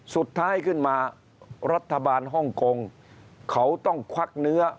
สุดท้ายขึ้นมารัฐบาลฮ่องกงเขาต้องควักเนื้อ